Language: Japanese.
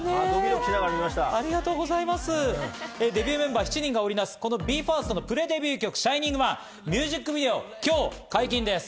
デビューメンバー７人が織りなすＢＥ：ＦＩＲＳＴのプレデビュー曲『ＳｈｉｎｉｎｇＯｎｅ』のミュージックビデオが今日、解禁です。